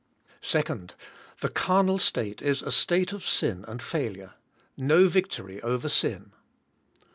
2. The carnal state is a state of sin and failure; no victory over sin.